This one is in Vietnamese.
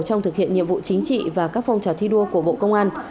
trong thực hiện nhiệm vụ chính trị và các phong trào thi đua của bộ công an